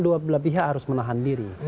dua pihak harus menahan diri